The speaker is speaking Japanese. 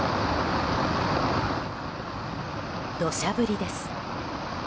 土砂降りです。